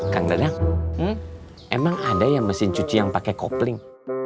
kang dadang emang ada yang mesin cuci yang pakai kopling